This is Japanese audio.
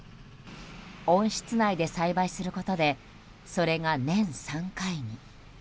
温室内で栽培することでそれが年３回に。